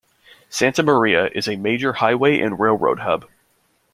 Santa Maria is a major highway and railroad hub.